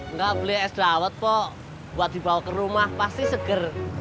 nggak beli es dawet kok buat dibawa ke rumah pasti seger